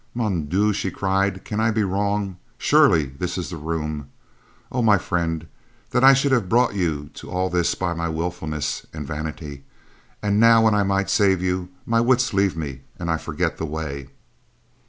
"Mon Dieu!" she cried. "Can I be wrong! Surely this is the room. Oh, my friend, that I should have brought you to all this by my willfulness and vanity; and now when I might save you, my wits leave me and I forget the way."